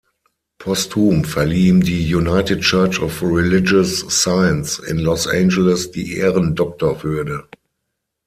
Posthum verlieh ihm die United Church of Religious Science in Los Angeles die Ehren-Doktorwürde.